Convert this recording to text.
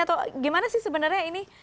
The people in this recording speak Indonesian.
atau gimana sih sebenarnya ini